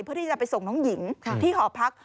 เพื่อที่จะไปส่งน้องหญิงที่หอพัก